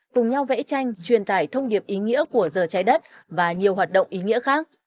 cùng nhau vẽ tranh truyền tải thông điệp ý nghĩa của giờ trái đất và nhiều hoạt động ý nghĩa khác